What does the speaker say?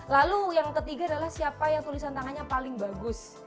lalu yang ketiga adalah siapa yang tulisan tangannya paling bagus